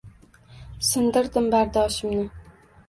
Sindirdim bardoshimni